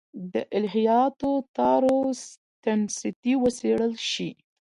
د الهیاتو تار و تنستې وڅېړل شي.